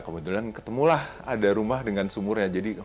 nah kebetulan ketemulah ada rumah dengan sumurnya jadi